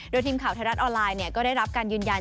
โดยทีมข่าวไทยรัฐออนไลน์ก็ได้รับการยืนยัน